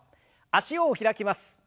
脚を開きます。